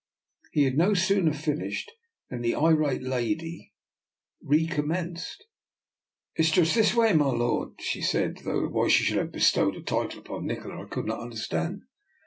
He had no sooner finished than the irate old lady recommenced. " It's just this way, my lord," she said, though why she should have bestowed a title upon Nikola I could not understand.